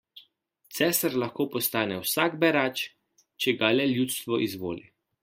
Cesar lahko postane vsak berač, če ga le ljudstvo izvoli.